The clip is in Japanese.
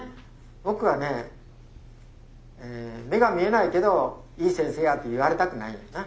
僕はね「目が見えないけどいい先生や」って言われたくないんやな。